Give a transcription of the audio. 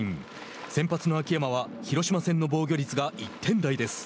先発の秋山は広島戦の防御率が１点台です。